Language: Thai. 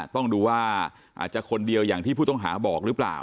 ต้องดูว่าอาจจะคนเดียวอย่างที่ผู้ต้องหาบอกหรือเปล่า